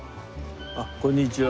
あっこんにちは。